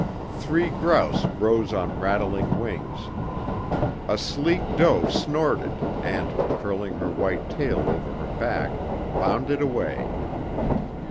Three grouse rose on rattling wings. A sleek doe snorted and, curling her white tail over her back, bounded away.